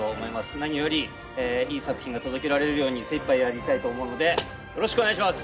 何よりいい作品が届けられるように精いっぱいやりたいと思うのでよろしくお願いします。